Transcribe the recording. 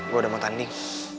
gue udah mau tanding